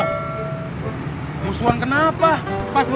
aku ditinggal sendirian ngobrol aja coba sama toples dawet